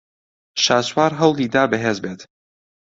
شاسوار ھەوڵی دا بەھێز بێت.